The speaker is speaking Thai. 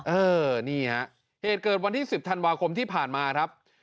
เออนี่ฮะเหตุเกิดวันที่๑๐ธันวาคมที่ผ่านมาครับ